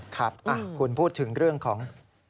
คุณพูดถึงเรื่องของ